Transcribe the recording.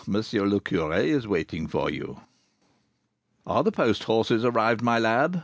le Curé is waiting for you." "Are the post horses arrived, my lad?"